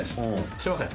すみません。